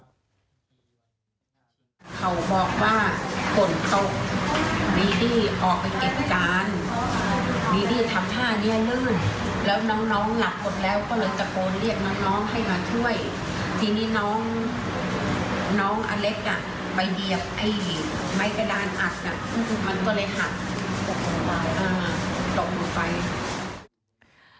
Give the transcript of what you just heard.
ตอนนี้น้องอาเล็กไปเดียบไอหลีไม้กระดานอักมันก็เลยหักตกลงไป